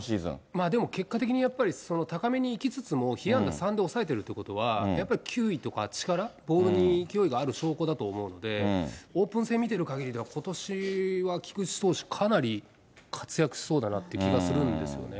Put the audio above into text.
まあでも結果的に高めにいきつつも被安打３で抑えてるってことは、やっぱり球威とか力、ボールに勢いがある証拠だと思うので、オープン戦見てるかぎりでは、ことしは菊池投手、かなり活躍しそうだなって気がするんですよね。